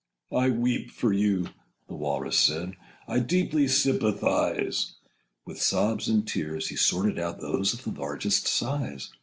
'I weep for you,' the Walrus said. Â Â Â Â 'I deeply sympathize.' With sobs and tears he sorted out Â Â Â Â Those of the largest size.